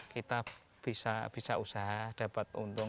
kita bisa usaha dapat untung